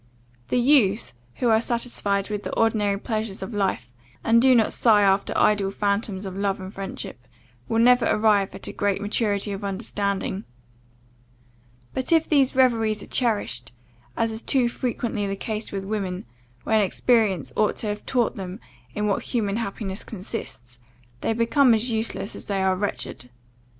The youths who are satisfied with the ordinary pleasures of life, and do not sigh after ideal phantoms of love and friendship, will never arrive at great maturity of understanding; but if these reveries are cherished, as is too frequently the case with women, when experience ought to have taught them in what human happiness consists, they become as useless as they are wretched.